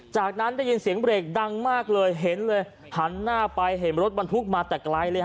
จากนั้นได้ยินเสียงเบรกดังมากเลยเห็นเลยหันหน้าไปเห็นรถบรรทุกมาแต่ไกลเลย